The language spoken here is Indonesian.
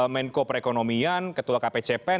menko perekonomian ketua kpcpen